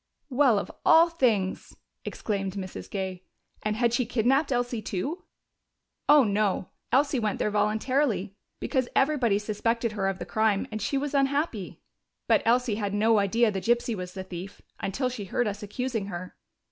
"Well, of all things!" exclaimed Mrs. Gay. "And had she kidnaped Elsie too?" "Oh no, Elsie went there voluntarily, because everybody suspected her of the crime, and she was unhappy. But Elsie had no idea the gypsy was the thief, until she heard us accusing her."